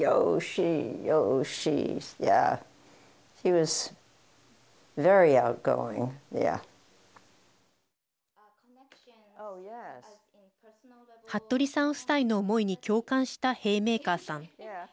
服部さん夫妻の思いに共感したヘイメーカーさん。